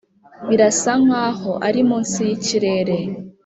birasa nkaho ari munsi yikirere.